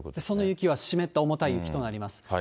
その雪が湿った重たい雪となります。